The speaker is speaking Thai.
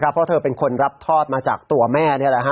เพราะเธอเป็นคนรับทอดมาจากตัวแม่